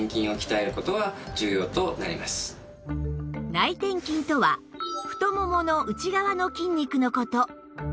内転筋とは太ももの内側の筋肉の事